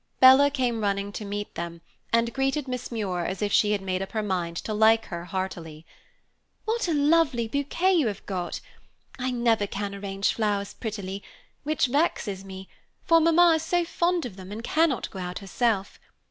Bella came running to meet them, and greeted Miss Muir as if she had made up her mind to like her heartily. "What a lovely bouquet you have got! I never can arrange flowers prettily, which vexes me, for Mamma is so fond of them and cannot go out herself.